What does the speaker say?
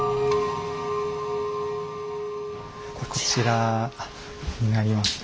こちらになりますね。